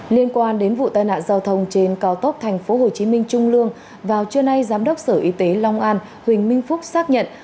liên quan đến vụ tai nạn giao thông trên cao tốc tp hcm trung lương vào trưa nay giám đốc sở y tế long an huỳnh minh phúc xác nhận